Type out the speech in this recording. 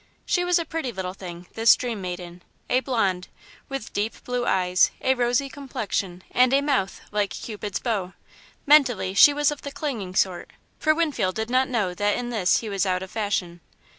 She was a pretty little thing, this dream maiden a blonde, with deep blue eyes, a rosy complexion, and a mouth like Cupid's bow. Mentally, she was of the clinging sort, for Winfield did not know that in this he was out of fashion.